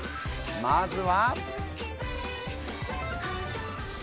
まずは。